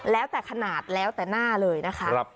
แล้วแต่ขนาดแล้วแต่หน้าเลยนะคะ